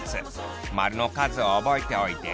○の数を覚えておいて。